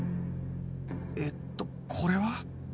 えっとこれは？